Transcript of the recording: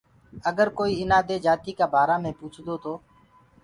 اَگر ڪوئيٚ ايٚنآ دي جاتيٚ ڪآ بآرآ مي پوٚڇدو تو۔